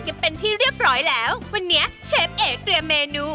กันเป็นที่เรียบร้อยแล้ววันนี้เชฟเอ๋เตรียมเมนู